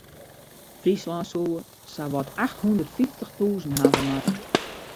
Fryslân soe sawat acht hûndert fyftich tûzen hawwe moatte.